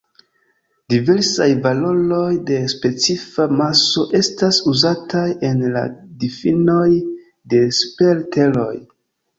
Diversaj valoroj de specifa maso estas uzataj en la difinoj de super-Teroj.